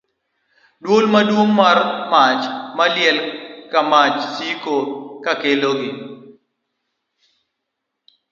Dwol maduong' mar mach maliel ka mach siko ka kelogi.